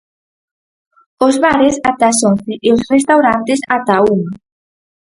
Os bares ata as once e os restaurantes ata a unha.